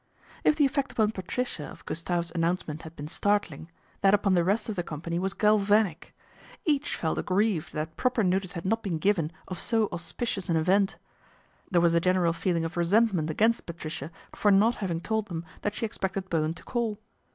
If the effect upon Patricia of Gustave's announce ment had been startling, that upon the rest of the company was galvanic. Each felt aggrieved :hat proper notice had not been given of so mspicious an event. There was a general feeling resentment against Patricia for not having told ihem that she expected Bowen to call.